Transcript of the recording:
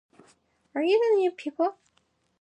Are you the new people?